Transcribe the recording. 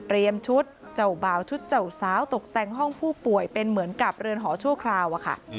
ชุดเจ้าบ่าวชุดเจ้าสาวตกแต่งห้องผู้ป่วยเป็นเหมือนกับเรือนหอชั่วคราวอะค่ะ